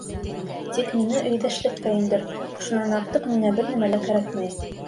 Тик мине өйҙәшлеккә индер, шунан артыҡ миңә бер нәмә лә кәрәкмәй.